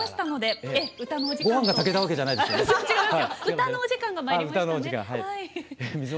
歌のお時間がまいりましたので。